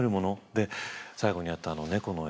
で最後にあったあの猫の絵。